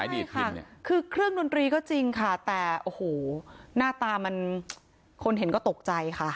ดีค่ะคือเครื่องดนตรีก็จริงค่ะแต่โอ้โหหน้าตามันคนเห็นก็ตกใจค่ะ